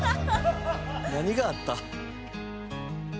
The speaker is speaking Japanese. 「何があった？」